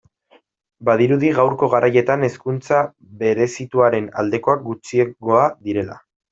Badirudi gaurko garaietan hezkuntza berezituaren aldekoak gutxiengoa direla.